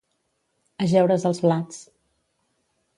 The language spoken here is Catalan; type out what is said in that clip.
Ajeure's els blats.